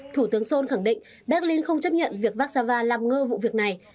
thủ tướng schol khẳng định berlin không chấp nhận việc vác xava làm ngơ vụ việc này